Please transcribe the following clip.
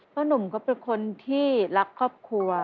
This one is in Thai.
หนุ่มก็เป็นคนที่รักครอบครัว